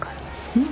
うん。